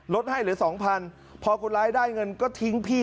ให้เหลือสองพันพอคนร้ายได้เงินก็ทิ้งพี่